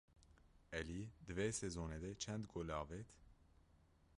Elî di vê sezonê de çend gol avêt?